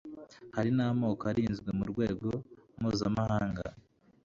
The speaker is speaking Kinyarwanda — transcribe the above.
harimo n'amoko arinzwe mu rwego mpuzamahanga